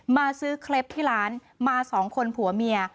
มาซื้อเคล็ปที่ร้านมา๒คนผัวเมีย